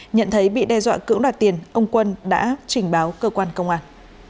nhận thấy bị đe dọa cưỡng đoạt tiền ông quân đã trình báo cơ quan công an